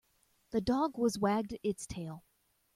The dog was wagged its tail.